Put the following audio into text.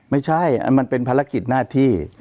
ไม่ใช่มันเป็นภารกิจหน้าที่